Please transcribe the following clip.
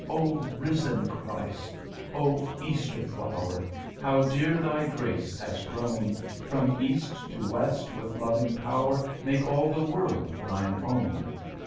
O Risen Christ! O Easter Flower! How dear Thy Grace has grown! From East to West, with loving power, Make all the world Thine own.